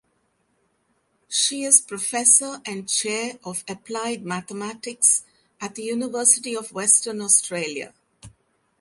She is Professor and Chair of Applied Mathematics at the University of Western Australia.